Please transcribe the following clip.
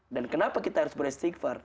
dan kenapa kita harus beristighfar